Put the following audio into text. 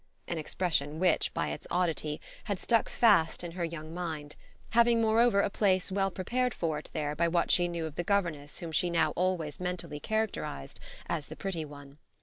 an expression which, by its oddity, had stuck fast in her young mind, having moreover a place well prepared for it there by what she knew of the governess whom she now always mentally characterised as the pretty one.